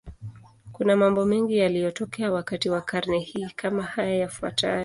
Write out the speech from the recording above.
Kuna mambo mengi yaliyotokea wakati wa karne hii, kama haya yafuatayo.